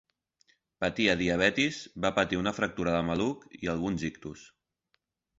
Patia diabetis, va patir una fractura de maluc i alguns ictus.